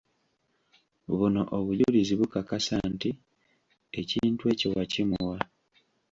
Buno obujulizi bukakasa nti ekintu ekyo wakimuwa.